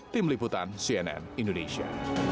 tim liputan cnn indonesia